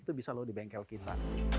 itu bisa loh di bengkel kita